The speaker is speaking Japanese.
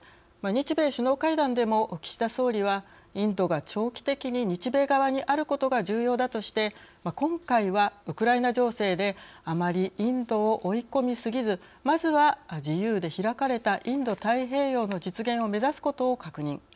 日米首脳会談でも、岸田総理はインドが長期的に日米側にあることが重要だとして今回はウクライナ情勢であまりインドを追い込み過ぎずまずは自由で開かれたインド太平洋の実現を目指すことを確認。